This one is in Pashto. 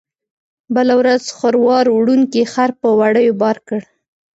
بله ورځ خروار وړونکي خر په وړیو بار کړ.